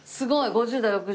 ５０代６０代。